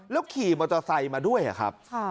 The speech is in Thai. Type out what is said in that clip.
แล้วขี่มอเตอร์ไซค์มาด้วยหรือครับ